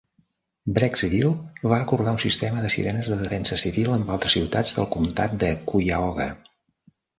Brecksville va acordar un sistema de sirenes de defensa civil amb altres ciutats del comtat de Cuyahoga.